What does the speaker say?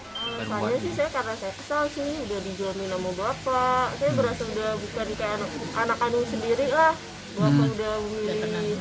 saya sih karena saya kesal sih udah dijamin sama bapak